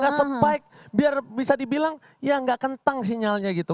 biar gak spike biar bisa dibilang ya gak kentang sinyalnya gitu